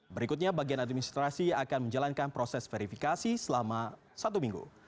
berikutnya bagian administrasi akan menjalankan proses verifikasi selama satu minggu